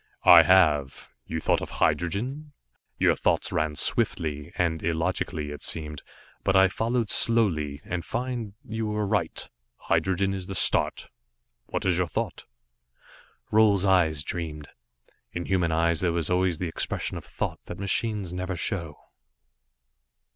"I have. You thought of hydrogen? Your thoughts ran swiftly, and illogically, it seemed, but I followed slowly, and find you were right. Hydrogen is the start. What is your thought?" Roal's eyes dreamed. In human eyes there was always the expression of thought that machines never show.